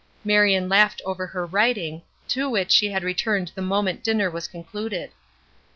Marion laughed over her writing, to which she had returned the moment dinner was concluded.